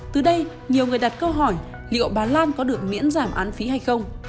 từ đây nhiều người đặt câu hỏi liệu bà lan có được miễn giảm án phí hay không